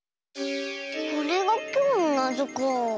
これがきょうのなぞか。